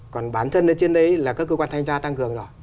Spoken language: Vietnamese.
còn bản thân trên đấy là các cơ quan thanh tra tăng cường